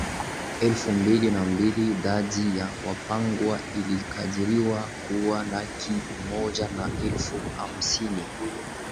elfu mbili na mbili dadi ya Wapangwa ilikadiriwa kuwa laki moja na elfu hamsini